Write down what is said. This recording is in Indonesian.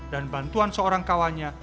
dan bantuan seorang kawannya